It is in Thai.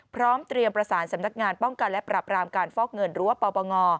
พร้อมเตรียมประสานสำนักงานป้องกันและปรับรามการฟอกเงินหรือว่าปปง